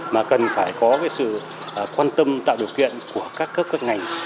mà cần phải có sự quan tâm tạo điều kiện của các cấp các ngành